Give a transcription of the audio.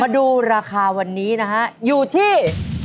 ดูราคาวันนี้นะฮะอยู่ที่